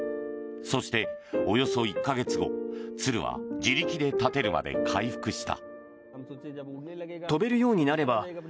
そしておよそ１か月後鶴は自力で立てるまで回復した。